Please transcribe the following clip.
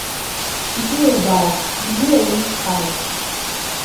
Бзиа убааит, бзиа умшхааит!